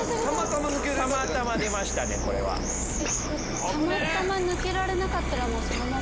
たまたま抜けられなかったらもうそのまま。